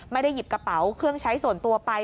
หยิบกระเป๋าเครื่องใช้ส่วนตัวไป